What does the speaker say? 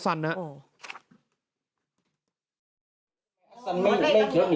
ไม่ได้รถหนีมาเลยมันอยู่ข้างในมันอยู่ข้างใน